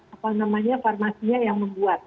apa namanya farmasinya yang membuat